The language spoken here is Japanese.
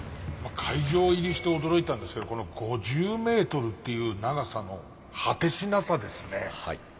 会場入りして驚いたんですけどこの５０メートルっていう長さの果てしなさですね。